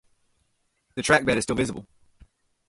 The trackbed is still visible.